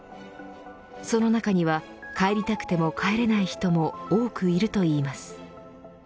その中には帰りたくても帰れない人も多くいるといいます。